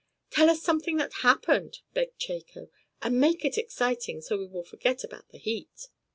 "Tell us something that happened!" begged Chako, "and make it exciting, so we will forget about the heat!"